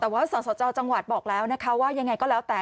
แต่ว่าสสจจังหวัดบอกแล้วนะคะว่ายังไงก็แล้วแต่